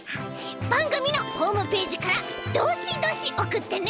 ばんぐみのホームページからドシドシおくってね！